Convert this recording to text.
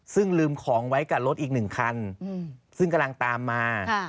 ซึ่งลืมของไว้กับรถอีกหนึ่งคันซึ่งกำลังตามมา